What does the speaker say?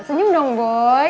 senyum dong boy